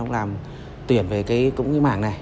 làm tuyển về cái mảng này